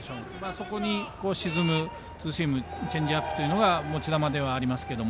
そこに沈むボールチェンジアップというのが持ち球ではありますけど。